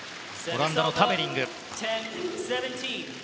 オランダのタベリングです。